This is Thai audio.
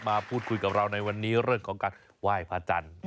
มาพูดคุยกับเราในวันนี้เรื่องของการไหว้พระจันทร์